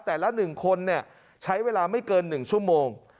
ละ๑คนใช้เวลาไม่เกิน๑ชั่วโมง